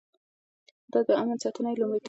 د امن ساتنه يې لومړيتوب و.